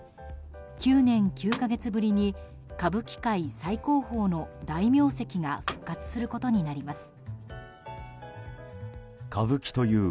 ９年９か月ぶりに歌舞伎界最高峰の大名跡が復活することになります。